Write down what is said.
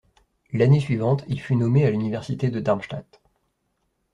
L'année suivante, il fut nommé à l'université de Darmstadt.